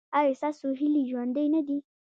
ایا ستاسو هیلې ژوندۍ نه دي؟